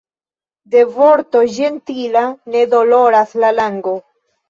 De vorto ĝentila ne doloras la lango.